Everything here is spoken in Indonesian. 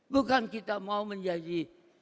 bukan kita mau menjadi